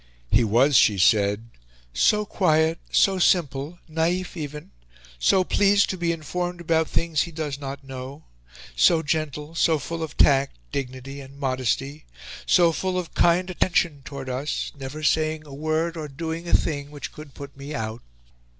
He was, she said, "so quiet, so simple, naif even, so pleased to be informed about things he does not know, so gentle, so full of tact, dignity, and modesty, so full of kind attention towards us, never saying a word, or doing a thing, which could put me out...